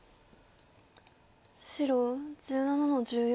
白１７の十四。